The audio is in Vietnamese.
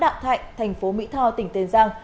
địa bàn ấp bốn xã đạm thạnh thành phố mỹ tho tỉnh tên giang